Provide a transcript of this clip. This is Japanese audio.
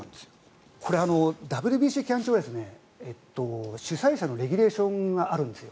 これ、ＷＢＣ期間中は主催者のレギュレーションがあるんですよ。